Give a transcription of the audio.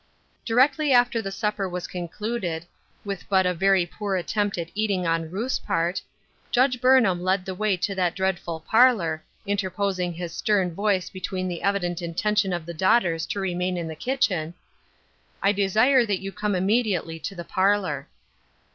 Directly after the supper was concluded, with but a very poor attempt at eating on Ruth^s part, Judge Burnham led the way to that dread ful parlor, interposing his stern voice betweeo the evident intention of the daughters to remain in the kitchen :" I desire that you will come immediately to the parlor."